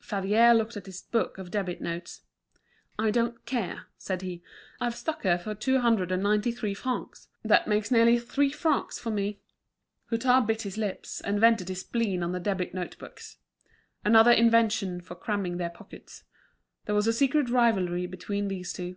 Favier looked at his book of debit notes. "I don't care!" said he, "I've stuck her for two hundred and ninety three francs. That makes nearly three francs for me." Hutin bit his lips, and vented his spleen on the debit notebooks. Another invention for cramming their pockets. There was a secret rivalry between these two.